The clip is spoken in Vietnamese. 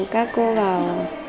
cháu các cô vào